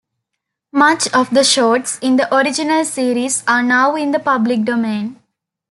Much of the shorts in the original series are now in the public domain.